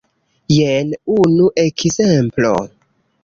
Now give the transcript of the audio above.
Jen unu ekzemplo.